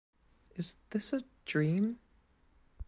Is this a dream?